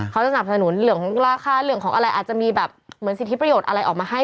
สนับสนุนเรื่องของราคาเรื่องของอะไรอาจจะมีแบบเหมือนสิทธิประโยชน์อะไรออกมาให้